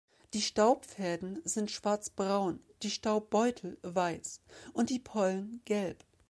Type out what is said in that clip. Die Staubfäden sind schwarzbraun, die Staubbeutel weiß und die Pollen gelb.